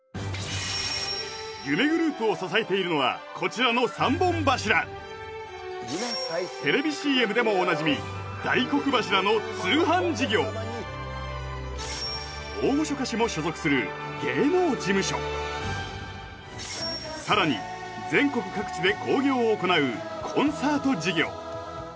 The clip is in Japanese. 夢グループを支えているのはこちらの３本柱テレビＣＭでもおなじみ大黒柱の通販事業大御所歌手も所属する芸能事務所さらに全国各地で興行を行うコンサート事業